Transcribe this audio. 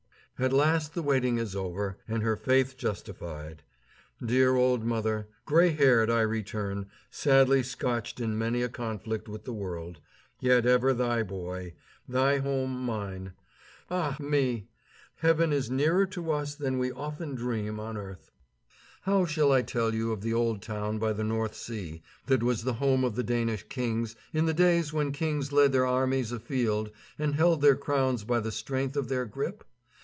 At last the waiting is over, and her faith justified. Dear old mother! Gray haired I return, sadly scotched in many a conflict with the world, yet ever thy boy, thy home mine. Ah me! Heaven is nearer to us than we often dream on earth. [Illustration: At Home in the Old Town The last time we were all together] How shall I tell you of the old town by the North Sea that was the home of the Danish kings in the days when kings led their armies afield and held their crowns by the strength of their grip?